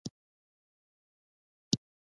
جانمازونه د کور د ښکلا شیان.